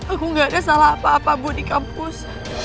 aku gak ada salah apa apa bu di kampus